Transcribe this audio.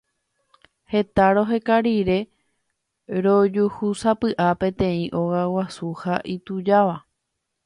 Heta roheka rire rojuhúsapy'a peteĩ óga guasu ha itujáva.